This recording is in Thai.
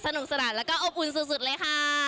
สนุกสนานแล้วก็อบอุ่นสุดเลยค่ะ